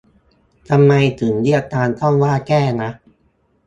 ทำไมถึงเรียกการซ่อมว่าแก้นะ